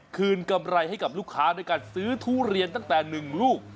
กำไรให้กับลูกค้าด้วยการซื้อทุเรียนตั้งแต่๑ลูก